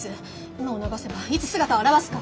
今を逃せばいつ姿を現すか。